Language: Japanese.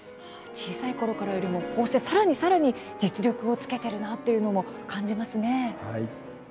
小さいころよりもさらにさらに実力をつけているなというのも感じますね。